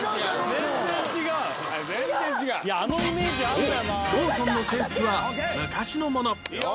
そうローソンの制服は昔のもの